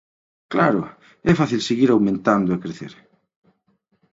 Claro, é fácil seguir aumentando e crecer.